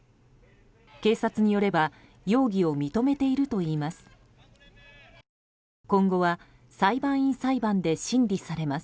警察によれば容疑を認めているといいます。